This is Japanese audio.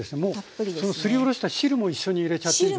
そのすりおろした汁も一緒に入れちゃっていいんですか。